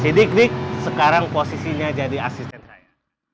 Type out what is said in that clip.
si dik dik sekarang posisinya jadi asisten saya